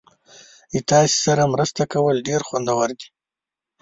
ستاسو سره مرسته کول ډیر خوندور دي.